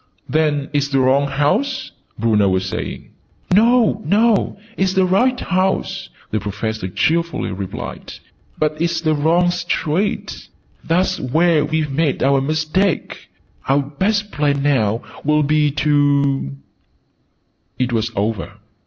"Then it's the wrong house?" Bruno was saying. "No, no! It's the right house," the Professor cheerfully replied: "but it's the wrong street. That's where we've made our mistake! Our best plan, now, will be to " It was over.